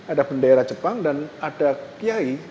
ada bendera jepang dan ada kiai